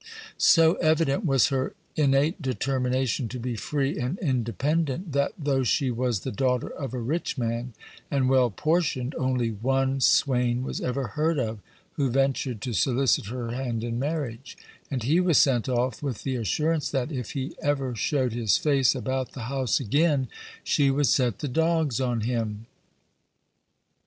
So evident was her innate determination to be free and independent, that, though she was the daughter of a rich man, and well portioned, only one swain was ever heard of who ventured to solicit her hand in marriage; and he was sent off with the assurance that, if he ever showed his face about the house again, she would set the dogs on him.